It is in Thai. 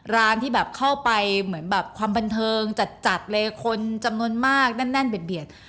ร้านที่แบบเข้าไปเหมือนแบบความบันเทิงจัดเลยคนจำนวนมากแน่นเบียด